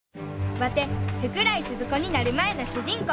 ワテ福来スズ子になる前の主人公